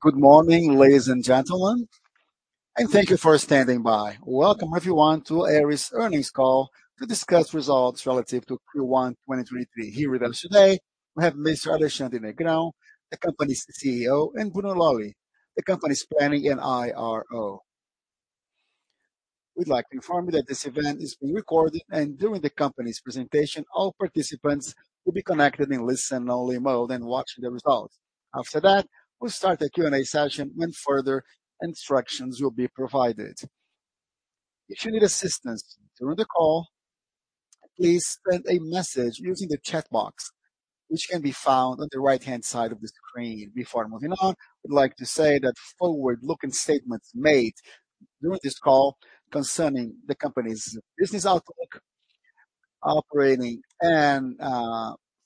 Good morning, ladies and gentlemen, thank you for standing by. Welcome everyone to Aeris earnings call to discuss results relative to Q1, 2023. Here with us today, we have Mr. Alexandre Negrão, the company's CEO, Bruno Lolli, the company's planning and IRO. We'd like to inform you that this event is being recorded, during the company's presentation, all participants will be connected in listen-only mode and watch the results. After that, we'll start the Q&A session when further instructions will be provided. If you need assistance during the call, please send a message using the chat box, which can be found on the right-hand side of the screen. Before moving on, we'd like to say that forward-looking statements made during this call concerning the company's business outlook, operating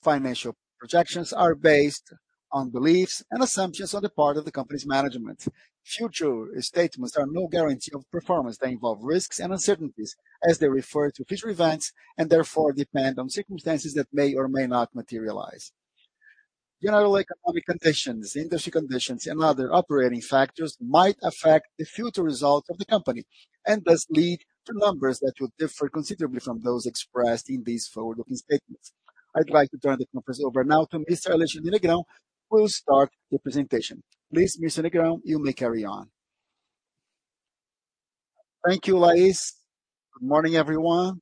financial projections are based on beliefs and assumptions on the part of the company's management. Future statements are no guarantee of performance. They involve risks and uncertainties as they refer to future events and therefore depend on circumstances that may or may not materialize. General economic conditions, industry conditions, and other operating factors might affect the future results of the company, and thus lead to numbers that will differ considerably from those expressed in these forward-looking statements. I'd like to turn the conference over now to Mr. Alexandre Negrão, who will start the presentation. Please, Mr. Negrão, you may carry on. Thank you, Lais. Good morning, everyone.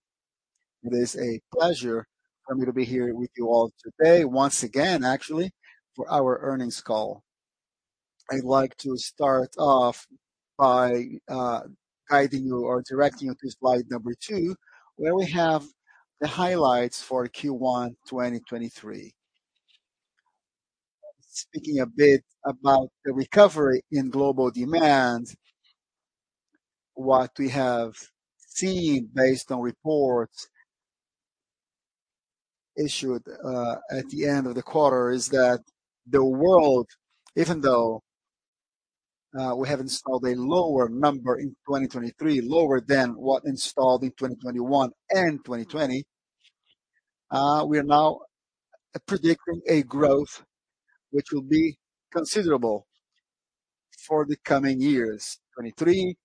It is a pleasure for me to be here with you all today, once again, actually, for our earnings call. I'd like to start off by guiding you or directing you to slide number two, where we have the highlights for Q1, 2023. Speaking a bit about the recovery in global demand, what we have seen based on reports issued at the end of the quarter is that the world, even though we have installed a lower number in 2023, lower than what installed in 2021 and 2020, we are now predicting a growth which will be considerable for the coming years, 2023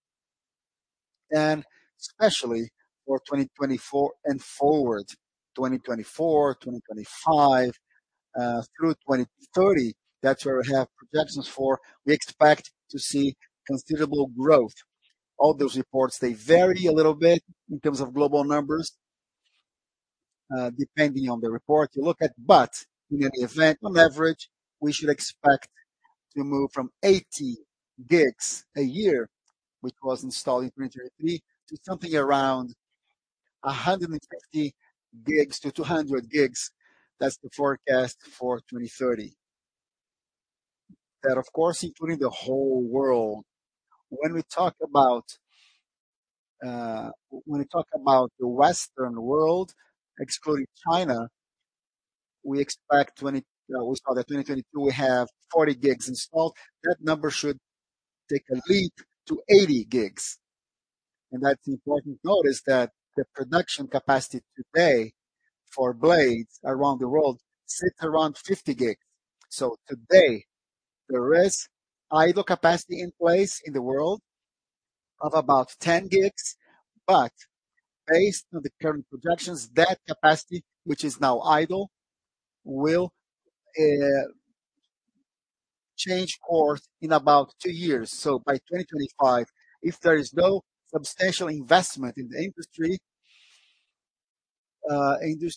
and especially for 2024 and forward. 2024, 2025, through 2030. That's where we have projections for. We expect to see considerable growth. All those reports, they vary a little bit in terms of global numbers, depending on the report you look at. Looking at the event on average, we should expect to move from 80 gigs a year, which was installed in 2023, to something around 150 gigs to 200 gigs. That's the forecast for 2030. That of course, including the whole world. When we talk about the Western world, excluding China, we saw that 2022, we have 40 gigs installed. That number should take a leap to 80 gigs. That's important to notice that the production capacity today for blades around the world sits around 50 gigs. Today, there is idle capacity in place in the world of about 10 gigs. Based on the current projections, that capacity, which is now idle, will change course in about two years. By 2025, if there is no substantial investment in the industry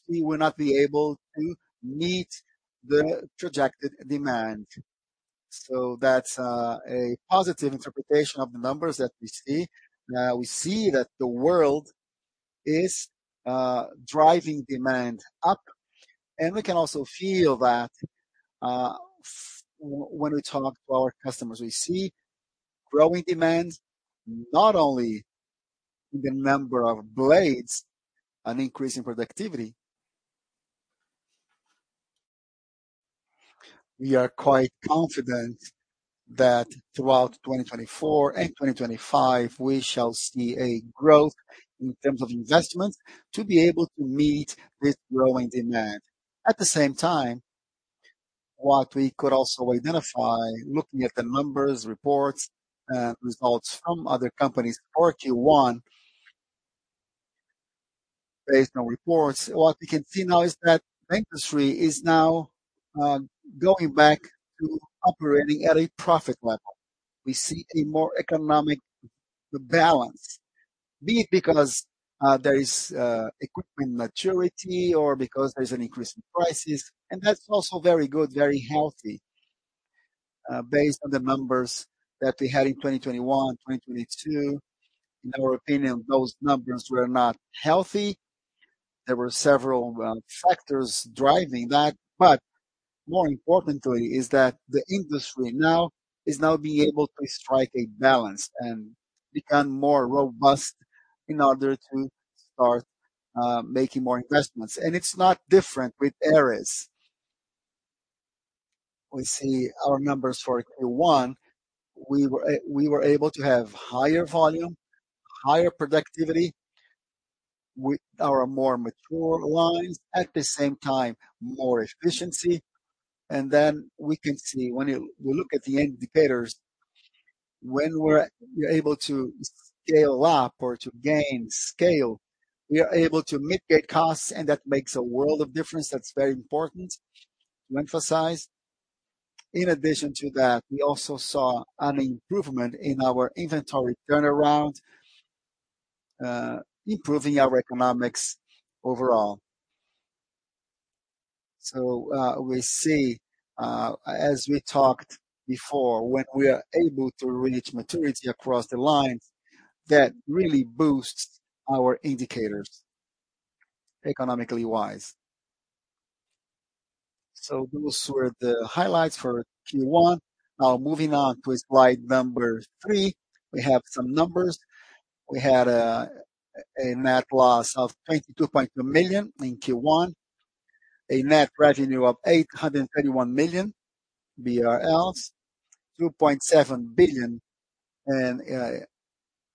will not be able to meet the projected demand. That's a positive interpretation of the numbers that we see. Now we see that the world is driving demand up, and we can also feel that when we talk to our customers, we see growing demand, not only in the number of blades and increase in productivity. We are quite confident that throughout 2024 and 2025, we shall see a growth in terms of investment to be able to meet this growing demand. At the same time, what we could also identify, looking at the numbers, reports, results from other companies for Q1, based on reports, what we can see now is that the industry is now going back to operating at a profit level. We see a more economic balance, be it because there is equipment maturity or because there's an increase in prices. That's also very good, very healthy, based on the numbers that we had in 2021, 2022. In our opinion, those numbers were not healthy. There were several factors driving that. More importantly is that the industry now is now being able to strike a balance and become more robust in order to start making more investments. It's not different with Aeris. We see our numbers for Q1. We were able to have higher volume, higher productivity with our more mature lines, at the same time, more efficiency. We can see when we look at the indicators, when we're able to scale up or to gain scale, we are able to mitigate costs, and that makes a world of difference. That's very important to emphasize. In addition to that, we also saw an improvement in our inventory turnaround, improving our economics overall. We see, as we talked before, when we are able to reach maturity across the lines, that really boosts our indicators economically wise. Those were the highlights for Q1. Moving on to slide number three, we have some numbers. We had a net loss of 22.2 million in Q1. A net revenue of 821 million BRL, 2.7 billion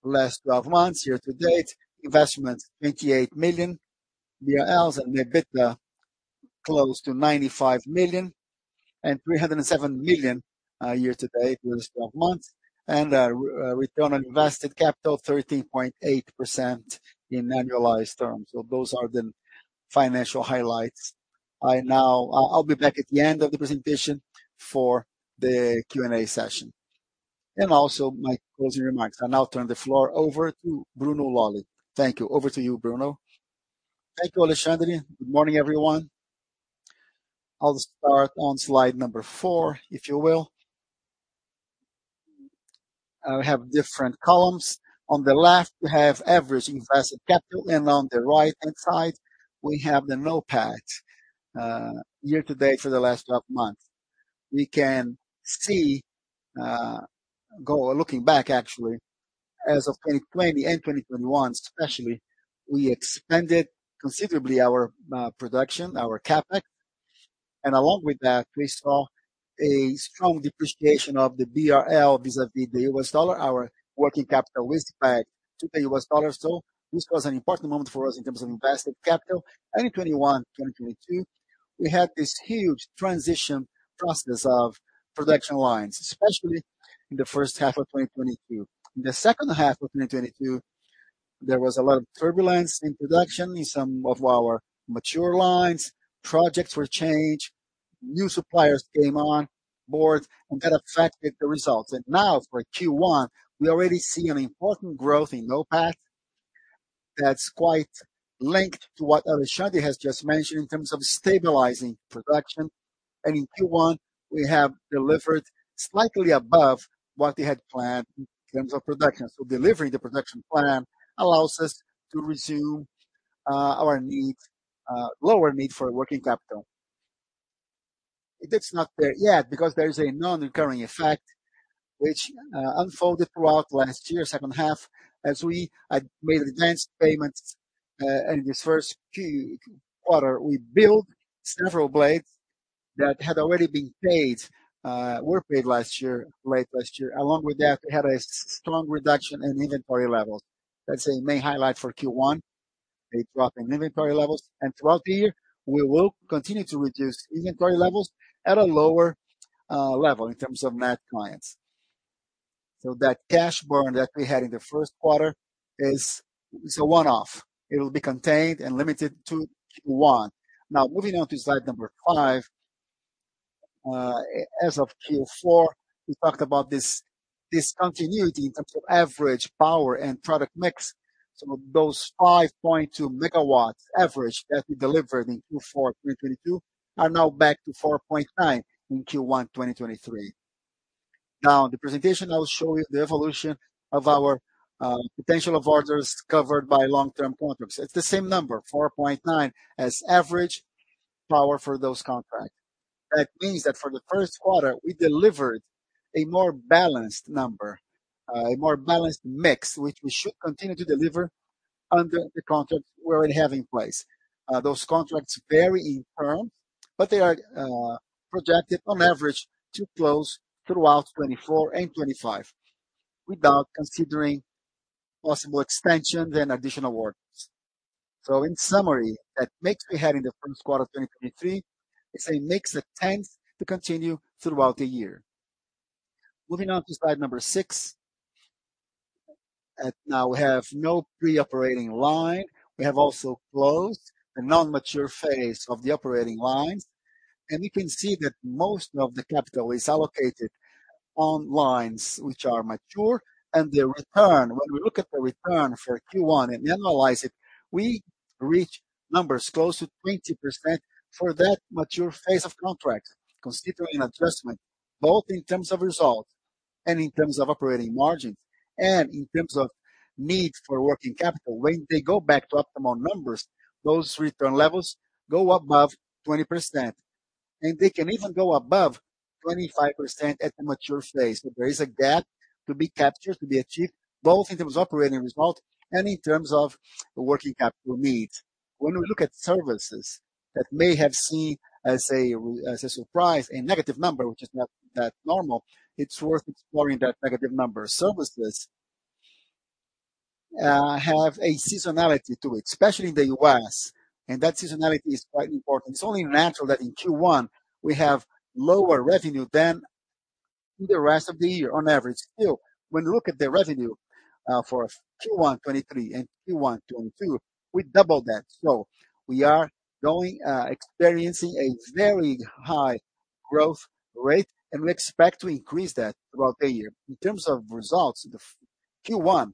in last twelve months year to date. Investments, 28 million BRL, and EBITDA close to 95 million, and 307 million year to date with twelve months, and a re-return on invested capital 13.8% in annualized terms. Those are the financial highlights. I'll be back at the end of the presentation for the Q&A session and also my closing remarks. I now turn the floor over to Bruno Lolli. Thank you. Over to you, Bruno. Thank you, Alexandre. Good morning, everyone. I'll start on slide number four, if you will. We have different columns. On the left, we have average invested capital, and on the right-hand side, we have the NOPAT year to date for the last 12 months. We can see, go looking back, actually, as of 2020 and 2021 especially, we expanded considerably our production, our CapEx. Along with that, we saw a strong depreciation of the BRL vis-à-vis the US dollar. Our working capital is tied to the U.S. dollar. This was an important moment for us in terms of invested capital. In 21, 2022, we had this huge transition process of production lines, especially in the H1 of 2022. In the second half of 2022, there was a lot of turbulence in production in some of our mature lines. Projects were changed, new suppliers came on board, and that affected the results. Now for Q1, we already see an important growth in NOPAT that's quite linked to what Alexandre has just mentioned in terms of stabilizing production. In Q1, we have delivered slightly above what we had planned in terms of production. Delivering the production plan allows us to resume our need, lower need for working capital. It is not there yet because there is a non-recurring effect which unfolded throughout last year's second half as we had made advanced payments in this first few quarter. We built several blades that had already been paid, were paid last year, late last year. We had a strong reduction in inventory levels. That's a main highlight for Q1, a drop in inventory levels. Throughout the year, we will continue to reduce inventory levels at a lower level in terms of net clients. That cash burn that we had in the first quarter is a one-off. It will be contained and limited to Q1. Moving on to slide number five. As of Q4, we talked about this discontinuity in terms of average power and product mix. Some of those 5.2 megawatts average that we delivered in Q4 2022 are now back to 4.9 in Q1 2023. The presentation, I will show you the evolution of our potential of orders covered by long-term contracts. It's the same number, 4.9, as average power for those contracts. That means that for the first quarter, we delivered a more balanced number, a more balanced mix, which we should continue to deliver under the contracts we already have in place. Those contracts vary in term, but they are projected on average to close throughout 2024 and 2025 without considering possible extensions and additional orders. In summary, that mix we had in the first quarter of 2023, it's a mix that tends to continue throughout the year. Moving on to slide number six. Now we have no pre-operating line. We have also closed the non-mature phase of the operating lines. We can see that most of the capital is allocated on lines which are mature. The return, when we look at the return for Q1 and analyze it, we reach numbers close to 20% for that mature phase of contracts, considering adjustment both in terms of results and in terms of operating margins and in terms of need for working capital. When they go back to optimal numbers, those return levels go above 20%, and they can even go above 25% at the mature phase. There is a gap to be captured, to be achieved, both in terms of operating results and in terms of working capital needs. When we look at services that may have seen as a surprise, a negative number, which is not that normal, it's worth exploring that negative number. Services have a seasonality to it, especially in the U.S. That seasonality is quite important. It's only natural that in Q1 we have lower revenue than the rest of the year on average. When you look at the revenue for Q1 2023 and Q1 2022, we doubled that. We are experiencing a very high growth rate, and we expect to increase that throughout the year. In terms of results, Q1,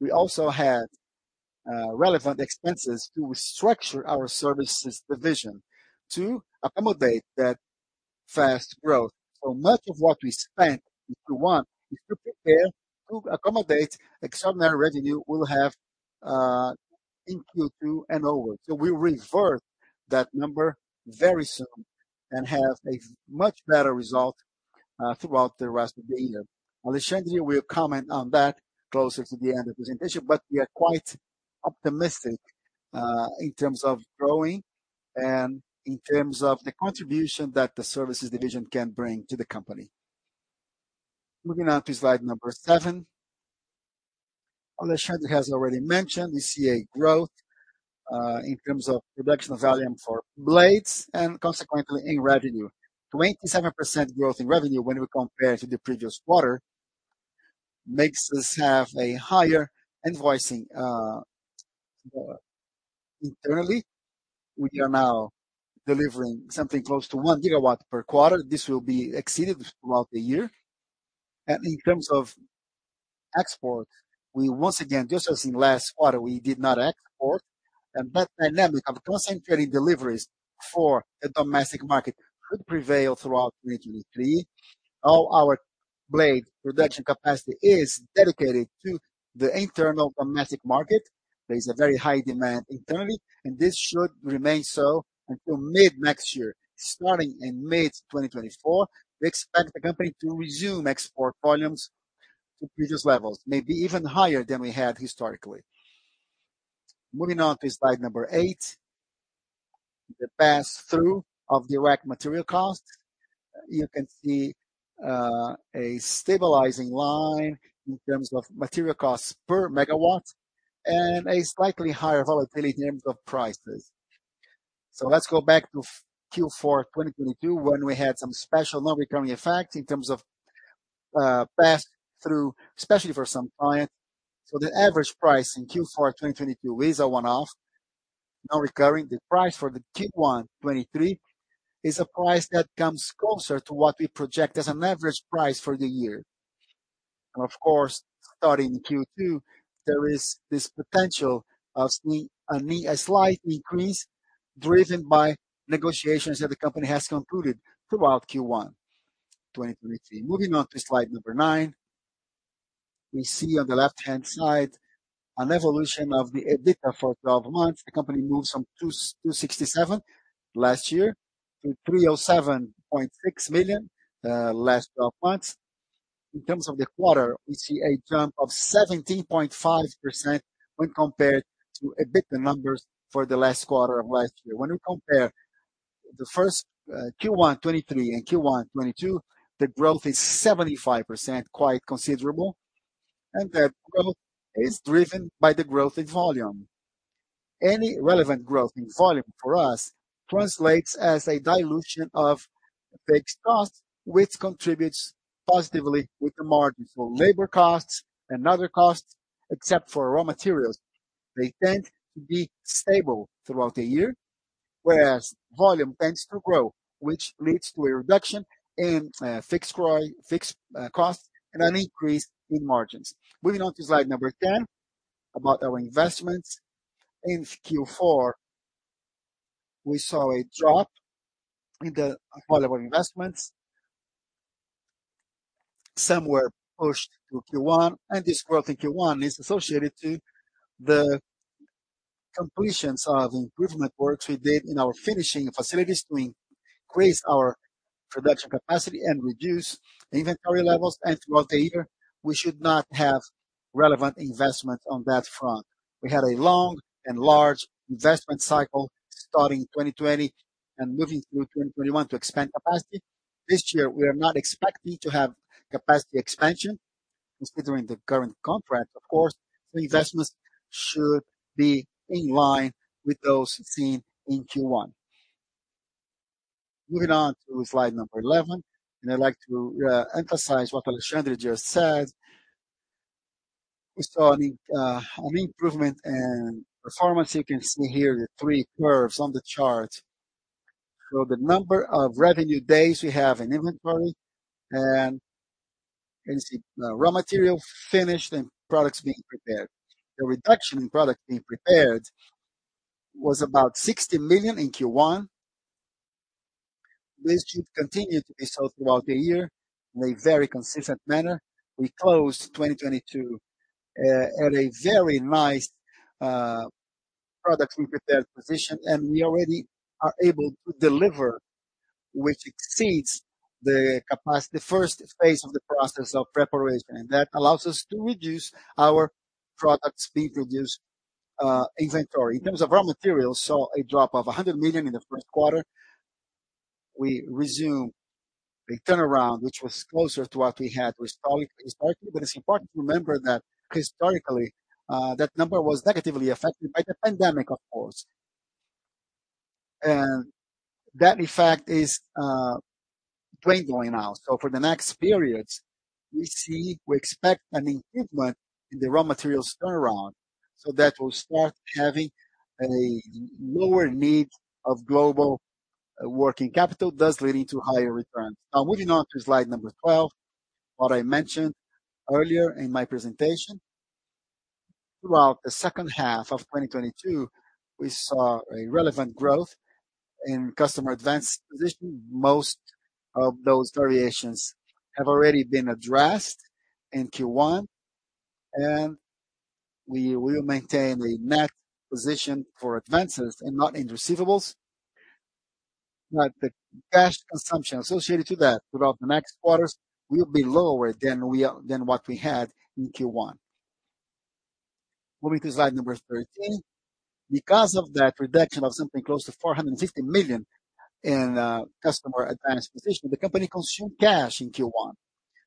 we also had relevant expenses to restructure our services division to accommodate that fast growth. Much of what we spent in Q1 is to prepare to accommodate extraordinary revenue we'll have in Q2 and over. We'll reverse that number very soon and have a much better result throughout the rest of the year. Alexandre will comment on that closer to the end of presentation. We are quite optimistic, in terms of growing and in terms of the contribution that the services division can bring to the company. Moving on to slide number seven. Alexandre has already mentioned we see a growth, in terms of production of volume for blades and consequently in revenue. 27% growth in revenue when we compare to the previous quarter makes us have a higher invoicing, internally. We are now delivering something close to 1 gigawatt per quarter. This will be exceeded throughout the year. In terms of export, we once again, just as in last quarter, we did not export. That dynamic of concentrating deliveries for the domestic market could prevail throughout 2023. All our blade production capacity is dedicated to the internal domestic market. There is a very high demand internally, and this should remain so until mid-next year. Starting in mid-2024, we expect the company to resume export volumes to previous levels, maybe even higher than we had historically. Moving on to slide number eight, the pass-through of direct material costs. You can see a stabilizing line in terms of material costs per megawatt and a slightly higher volatility in terms of prices. Let's go back to Q4 2022, when we had some special non-recurring effects in terms of pass-through, especially for some clients. The average price in Q4 2022 is a one-off, non-recurring. The price for the Q1 2023 is a price that comes closer to what we project as an average price for the year. Of course, starting in Q2, there is this potential of a slight increase driven by negotiations that the company has concluded throughout Q1 2023. Moving on to slide number 9. We see on the left-hand side an evolution of the EBITDA for 12 months. The company moved from 267 million last year to 307.6 million last 12 months. In terms of the quarter, we see a jump of 17.5% when compared to EBITDA numbers for the last quarter of last year. When we compare the first Q1 2023 and Q1 2022, the growth is 75%, quite considerable. That growth is driven by the growth in volume. Any relevant growth in volume for us translates as a dilution of fixed costs, which contributes positively with the margins. Labor costs and other costs, except for raw materials, they tend to be stable throughout the year, whereas volume tends to grow, which leads to a reduction in fixed costs and an increase in margins. Moving on to slide number 10, about our investments. In Q4, we saw a drop in the available investments. Some were pushed to Q1. This growth in Q1 is associated to the completions of improvement works we did in our finishing facilities to increase our production capacity and reduce inventory levels. Throughout the year, we should not have relevant investments on that front. We had a long and large investment cycle starting 2020 and moving through 2021 to expand capacity. This year, we are not expecting to have capacity expansion, considering the current contracts, of course. Investments should be in line with those seen in Q1. Moving on to slide number 11, I'd like to emphasize what Alexandre just said. We saw an improvement in performance. You can see here the three curves on the chart. The number of revenue days we have in inventory and you can see raw material finished and products being prepared. The reduction in product being prepared was about 60 million in Q1, which should continue to be so throughout the year in a very consistent manner. We closed 2022 at a very nice products being prepared position, and we already are able to deliver, which exceeds the capacity, the first phase of the process of preparation. That allows us to reduce our products being produced inventory. In terms of raw materials, saw a drop of 100 million in the first quarter. We resumed a turnaround, which was closer to what we had historically. It's important to remember that historically, that number was negatively affected by the pandemic, of course. That effect is dwindling now. For the next periods, we expect an improvement in the raw material turnaround, so that we'll start having a lower need of global working capital, thus leading to higher returns. Moving on to slide number 12, what I mentioned earlier in my presentation. Throughout the H2 of 2022, we saw a relevant growth in customer advance position. Most of those variations have already been addressed in Q1, and we will maintain a net position for advances and not in receivables. The cash consumption associated to that throughout the next quarters will be lower than what we had in Q1. Moving to slide number 13. Because of that reduction of something close to 450 million in customer advance position, the company consumed cash in Q1.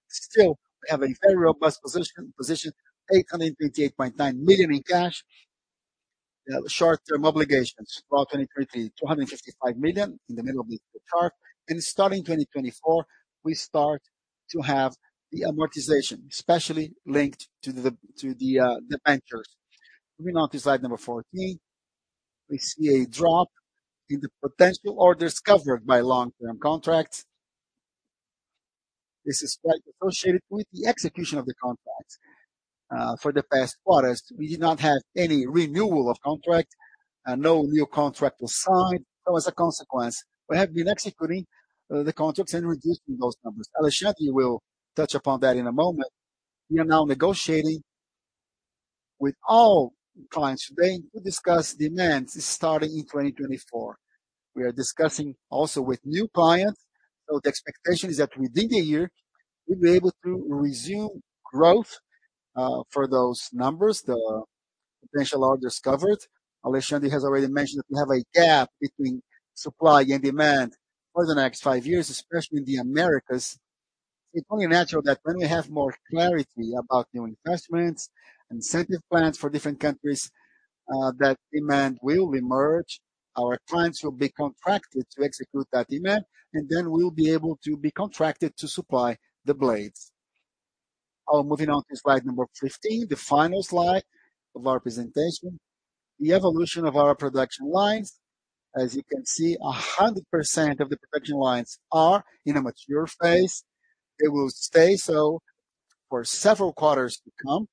Still, we have a very robust position, 838.9 million in cash. Short-term obligations, about 255 million in the middle of the chart. Starting 2024, we start to have the amortization, especially linked to the anchors. Moving on to slide number 14. We see a drop in the potential orders covered by long-term contracts. This is quite associated with the execution of the contracts. For the past quarters, we did not have any renewal of contract and no new contract was signed. As a consequence, we have been executing the contracts and reducing those numbers. Alexandre will touch upon that in a moment. We are now negotiating with all clients today to discuss demands starting in 2024. We are discussing also with new clients. The expectation is that within the year, we'll be able to resume growth for those numbers, the potential orders covered. Alessandro has already mentioned that we have a gap between supply and demand for the next five years, especially in the Americas. It's only natural that when we have more clarity about new investments, incentive plans for different countries, that demand will emerge. Our clients will be contracted to execute that demand, then we'll be able to be contracted to supply the blades. Moving on to slide number 15, the final slide of our presentation. The evolution of our production lines. As you can see, 100% of the production lines are in a mature phase. It will stay so for several quarters to come.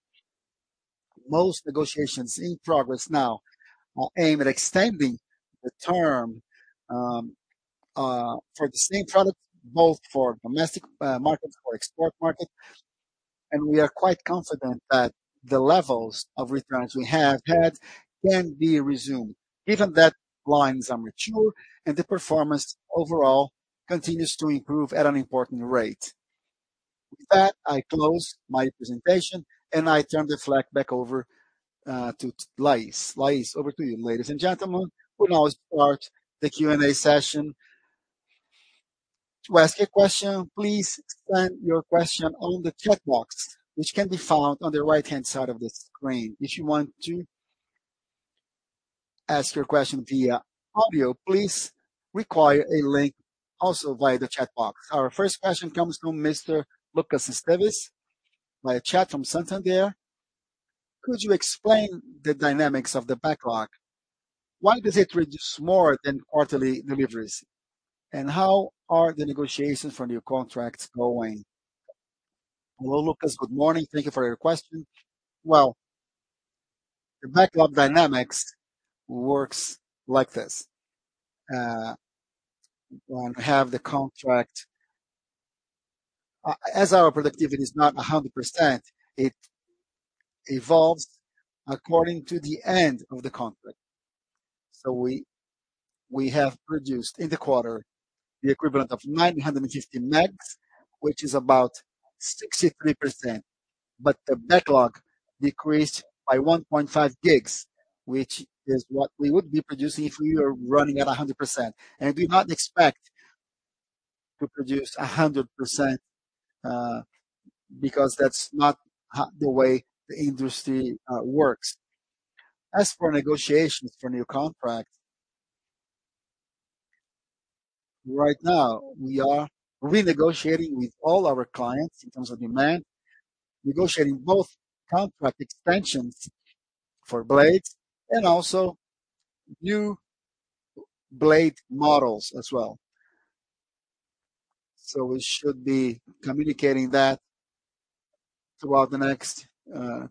Most negotiations in progress now are aimed at extending the term for the same products, both for domestic markets, for export market. We are quite confident that the levels of returns we have had can be resumed, given that lines are mature and the performance overall continues to improve at an important rate. With that, I close my presentation, and I turn the floor back over to Lais. Lais, over to you. Ladies and gentlemen, we now start the Q&A session. To ask a question, please send your question on the chat box, which can be found on the right-hand side of the screen. If you want to ask your question via audio, please require a link also via the chat box. Our first question comes from Mr. Lucas Esteves via chat from Santander. Could you explain the dynamics of the backlog? Why does it reduce more than quarterly deliveries? How are the negotiations for new contracts going? Hello, Lucas. Good morning. Thank you for your question. Well, the backlog dynamics works like this. When we have the contract. As our productivity is not 100%, it evolves according to the end of the contract. We have produced in the quarter the equivalent of 950 megawatts, which is about 63%. The backlog decreased by 1.5 gigawatts, which is what we would be producing if we were running at 100%. I do not expect to produce 100%, because that's not the way the industry works. For negotiations for new contracts, right now, we are renegotiating with all our clients in terms of demand, negotiating both contract extensions for blades and also new blade models as well. We should be communicating that throughout the next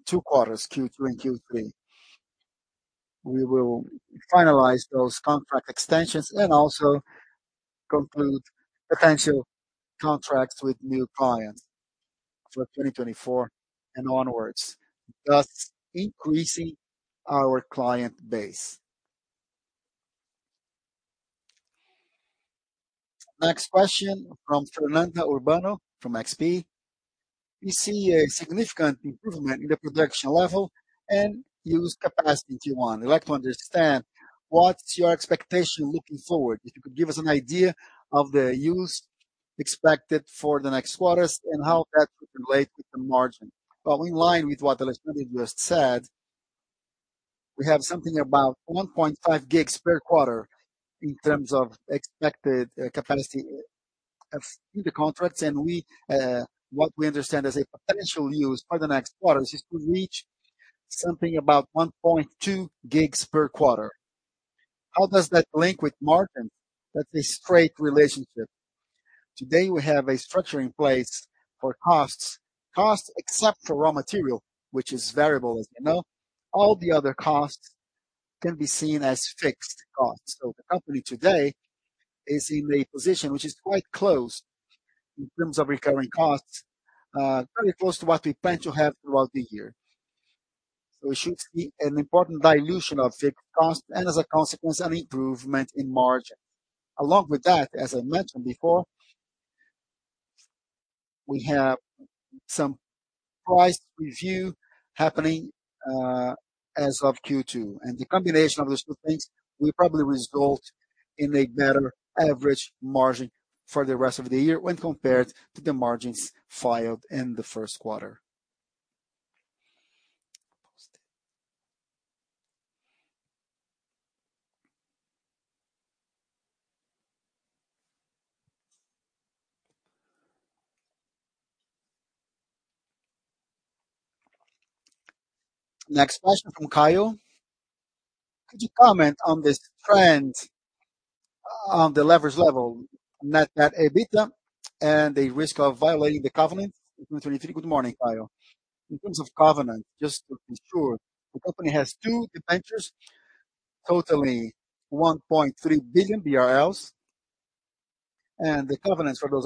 two quarters, Q2 and Q3. We will finalize those contract extensions and also conclude potential contracts with new clients. For 2024 and onwards, thus increasing our client base. Next question from Fernanda Urbano from XP. We see a significant improvement in the production level and use capacity in Q1. We'd like to understand what's your expectation looking forward. If you could give us an idea of the use expected for the next quarters and how that would relate with the margin. Well, in line with what Alexandre just said, we have something about 1.5 gigs per quarter in terms of expected capacity of new contracts. What we understand as a potential use for the next quarters is to reach something about 1.2 gigs per quarter. How does that link with margin? That's a straight relationship. Today, we have a structure in place for costs. Costs except for raw material, which is variable, as you know. All the other costs can be seen as fixed costs. The company today is in a position which is quite close in terms of recurring costs, very close to what we plan to have throughout the year. We should see an important dilution of fixed costs and as a consequence, an improvement in margin. Along with that, as I mentioned before, we have some price review happening as of Q2. The combination of those two things will probably result in a better average margin for the rest of the year when compared to the margins filed in the first quarter. Next question from Kyle. Could you comment on this trend on the leverage level, Net Debt/EBITDA, and the risk of violating the covenant in 2023? Good morning, Kyle. In terms of covenant, just to ensure, the company has two debentures totaling 1.3 billion BRL, and the covenants for those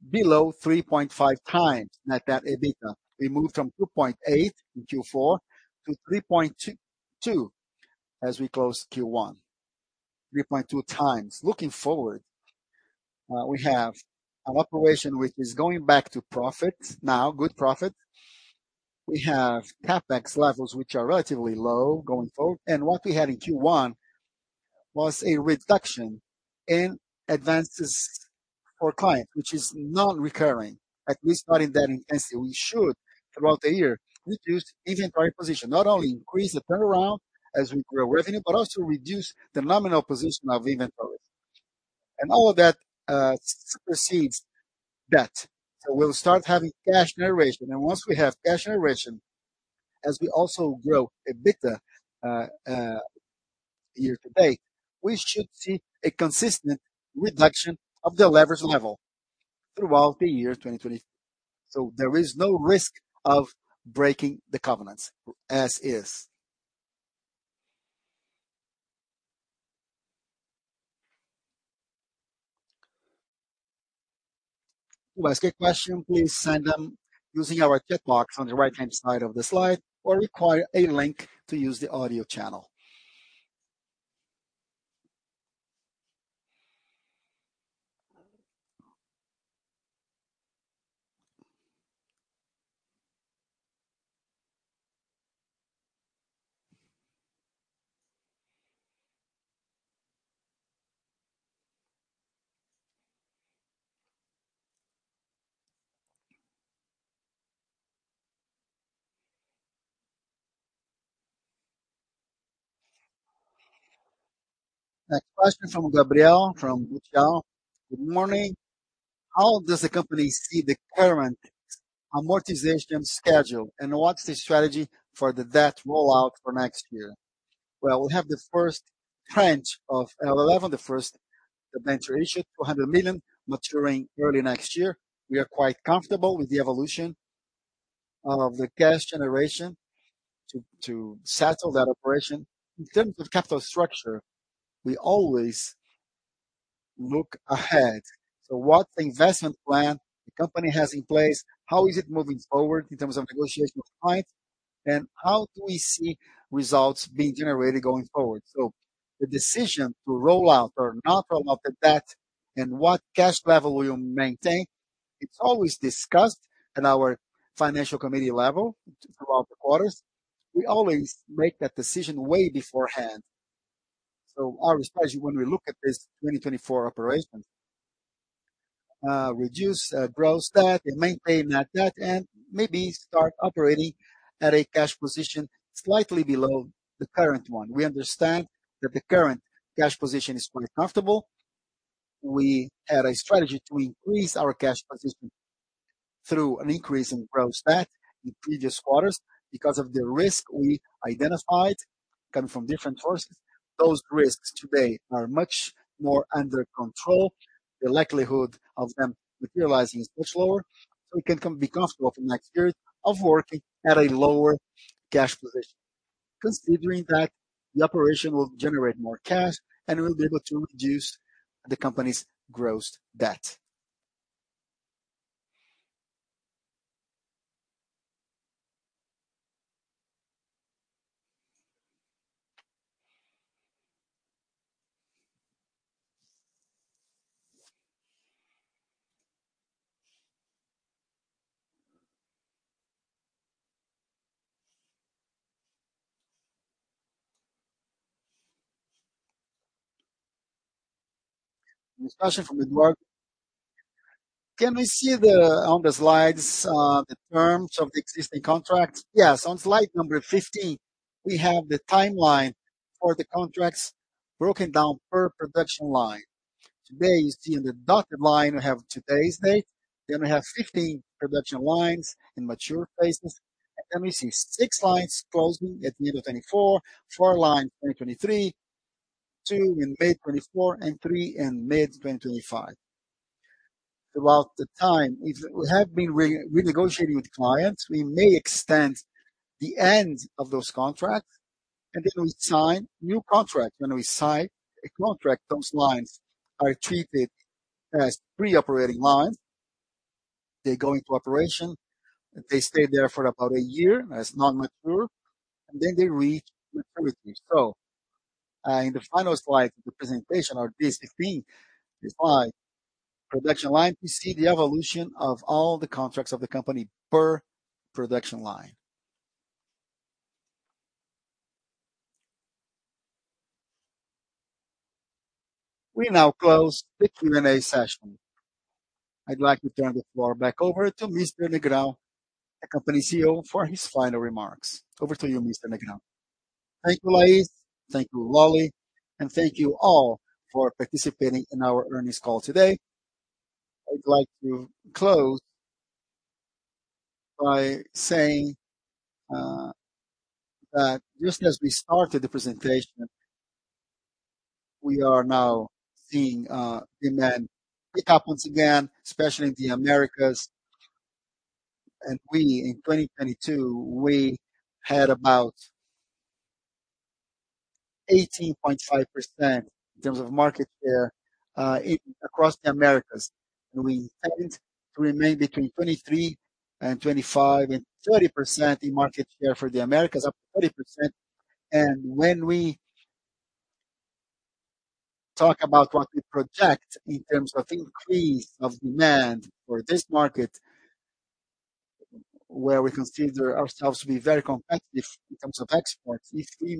operations are those that will maintain our ratio below 3.5x Net Debt/EBITDA. We moved from 2.8 in Q4 to 3.2x as we close Q1. Looking forward, we have an operation which is going back to profit now, good profit. We have CapEx levels which are relatively low going forward. What we had in Q1 was a reduction in advances for clients, which is non-recurring, at least not in that intensity. We should, throughout the year, reduce inventory position, not only increase the turnaround as we grow revenue, but also reduce the nominal position of inventories. All of that supersedes debt. We'll start having cash generation. Once we have cash generation, as we also grow EBITDA year to date, we should see a consistent reduction of the leverage level throughout the year 2020. There is no risk of breaking the covenants as is. To ask a question, please send them using our chat box on the right-hand side of the slide or require a link to use the audio channel. Next question from Gabrielle from Itaú. Good morning. How does the company see the current amortization schedule, and what's the strategy for the debt rollout for next year? We have the first tranche of L11, the first debenture issue, 200 million maturing early next year. We are quite comfortable with the evolution of the cash generation to settle that operation. In terms of capital structure, we always look ahead. What investment plan the company has in place, how is it moving forward in terms of negotiation with clients, and how do we see results being generated going forward? The decision to roll out or not roll out the debt and what cash level will you maintain, it's always discussed at our financial committee level throughout the quarters. We always make that decision way beforehand. Our strategy when we look at this 2024 operation, reduce gross debt and maintain that debt and maybe start operating at a cash position slightly below the current one. We understand that the current cash position is quite comfortable. We had a strategy to increase our cash position through an increase in gross debt in previous quarters. Because of the risk we identified coming from different sources, those risks today are much more under control. The likelihood of them materializing is much lower, we can be comfortable for next period of working at a lower cash position. Considering that the operation will generate more cash and we'll be able to reduce the company's gross debt. This question from Edward, can we see the, on the slides, the terms of the existing contracts? Yes. On slide number 15, we have the timeline for the contracts broken down per production line. Today, you see in the dotted line, we have today's date. We have 15 production lines in mature phases. We see six lines closing at mid-2024, four lines in 2023, two in May 2024, and three in mid-2025. Throughout the time, we have been renegotiating with clients. We may extend the end of those contracts, and then we sign new contracts. When we sign a contract, those lines are treated as pre-operating lines. They go into operation. They stay there for about a year as non-mature, and then they reach maturity. In the final slide of the presentation or this 15 slide, production line, we see the evolution of all the contracts of the company per production line. We now close the Q&A session. I'd like to turn the floor back over to Mr. Negrão, the company CEO, for his final remarks. Over to you, Mr. Negrão. Thank you, Lais. Thank you, Lolli. Thank you all for participating in our earnings call today. I'd like to close by saying that just as we started the presentation, we are now seeing demand pick up once again, especially in the Americas. We, in 2022, we had about 18.5% in terms of market share across the Americas. We intend to remain between 23% and 25% and 30% in market share for the Americas, up to 30%. When we talk about what we project in terms of increase of demand for this market, where we consider ourselves to be very competitive in terms of exports, if we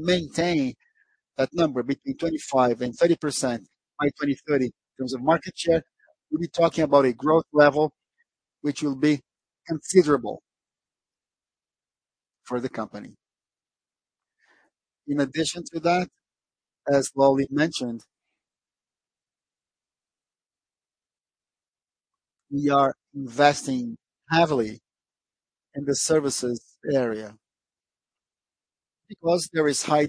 maintain that number between 25%-30% by 2030 in terms of market share, we'll be talking about a growth level which will be considerable for the company. In addition to that, as Lolli mentioned, we are investing heavily in the services area because there is high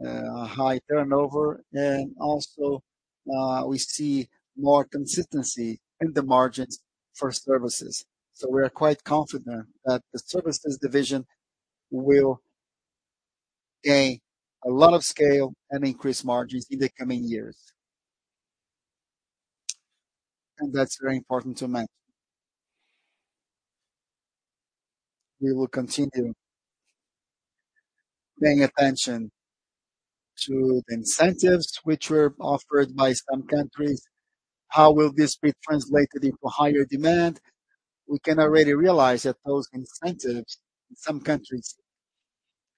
demand, a high turnover, and also, we see more consistency in the margins for services. We are quite confident that the services division will gain a lot of scale and increase margins in the coming years. That's very important to mention. We will continue paying attention to the incentives which were offered by some countries. How will this be translated into higher demand? We can already realize that those incentives in some countries,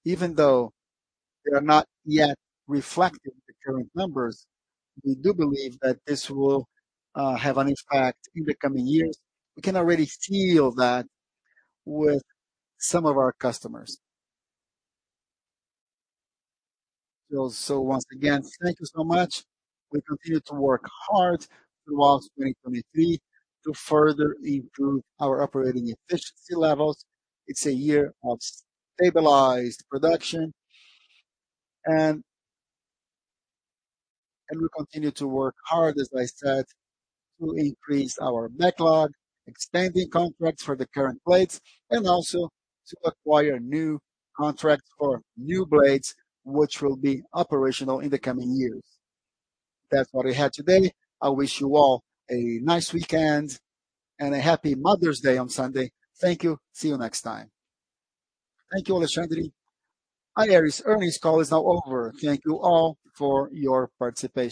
even though they are not yet reflected in the current numbers, we do believe that this will have an impact in the coming years. We can already feel that with some of our customers. Once again, thank you so much. We continue to work hard throughout 2023 to further improve our operating efficiency levels. It's a year of stabilized production. We continue to work hard, as I said, to increase our backlog, extending contracts for the current blades, and also to acquire new contracts for new blades, which will be operational in the coming years. That's what we had today. I wish you all a nice weekend and a happy Mother's Day on Sunday. Thank you. See you next time. Thank you, Alexandre. Aeris earnings call is now over. Thank you all for your participation.